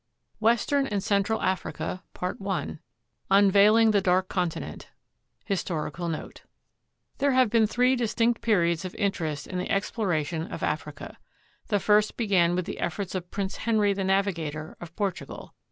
WESTERN AND CENTRAL AFRICA I UNVEILING THE DARK CONTINENT HISTORICAL NOTE There have been three distinct periods of interest in the exploration of Africa. The first began with the efforts of Prince Henry the Navigator, of Portugal.